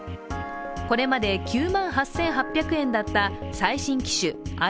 これまで９万８８００円だった最新機種